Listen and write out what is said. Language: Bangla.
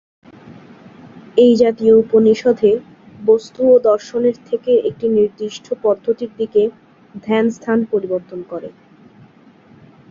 এই জাতীয় উপনিষদে বস্তু ও দর্শনের থেকে একটি নির্দিষ্ট পদ্ধতির দিকে ধ্যান স্থান পরিবর্তন করে।